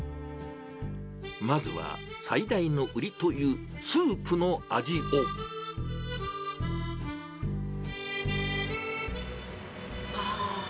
まずは最大の売りというスープのああ。